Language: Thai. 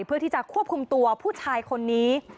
เพื่อที่จะควบคุมตัวผู้ชายคนนี้